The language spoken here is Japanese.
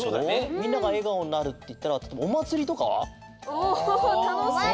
みんながえがおになるっていったらおまつりをふやす。